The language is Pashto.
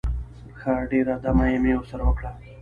ښه ډېره دمه مې ورسره وکړه.